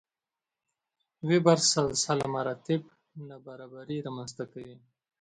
وېبر سلسله مراتب نابرابري رامنځته کوي.